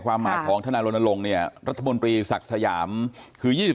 ความหมากของท่านโรนณลงเนี่ยรัฐบนตรีศักดิ์สยามคือ๒๔